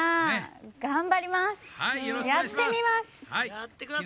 やってみます！